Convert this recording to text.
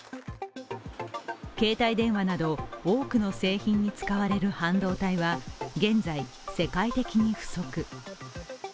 携帯電話など、多くの製品に使われる半導体は現在、世界的に不足。